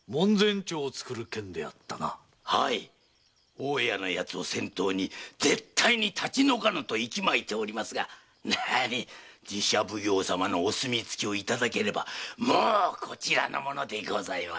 大家の奴を先頭に絶対に立ち退かぬと息まいておりますが寺社奉行様のお墨付きを頂ければもうこちらのものでございます。